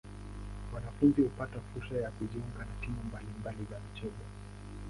Wanafunzi hupata fursa ya kujiunga na timu mbali mbali za michezo.